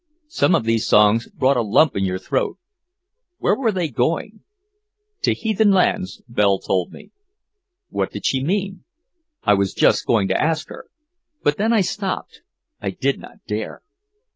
Some of these songs brought a lump in your throat. Where were they going? "To heathen lands," Belle told me. What did she mean? I was just going to ask her. But then I stopped I did not dare!